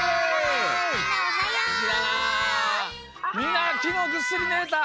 みんなきのうぐっすりねれた？